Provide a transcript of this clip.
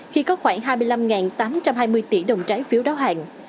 khi có khoảng hai mươi năm tám trăm hai mươi tỷ đồng trái phiếu đáo hạn